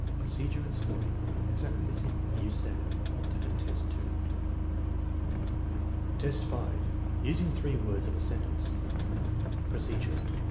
Procedure and scoring. Exactly as in VII, alternate test 2. 1 IX, 5. Using three words in a sentence Procedure.